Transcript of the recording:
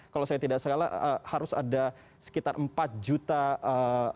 kalau saya tidak salah harus ada sekitar empat juta dosis yang diberikan kepada ibu hamil